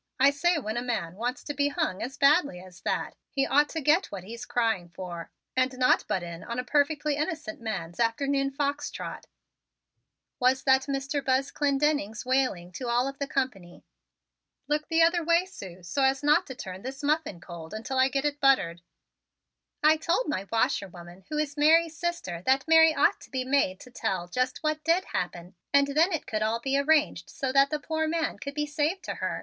I say when a man wants to be hung as badly as that, he ought to get what he's crying for, and not butt in on a perfectly innocent man's afternoon fox trot," was that Mr. Buzz Clendenning's wailing to all of the company. "Look the other way, Sue, so as not to turn this muffin cold until I get it buttered." "I told my washwoman, who is Mary's sister, that Mary ought to be made to tell just what did happen and then it could all be arranged so that the poor man could be saved to her.